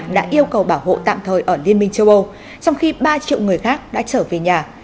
đã yêu cầu bảo hộ tạm thời ở liên minh châu âu trong khi ba triệu người khác đã trở về nhà